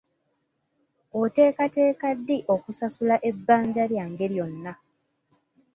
Oteekateeka ddi okusasula ebbanja lyange lyonna?